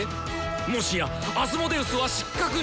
もしやアスモデウスは失格に⁉